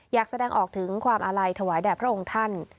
อยากแสดงออกถึงความอาลัยถวายแด่พระองค์ท่าน